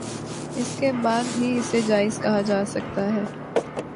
اس کے بعد ہی اسے جائز کہا جا سکتا ہے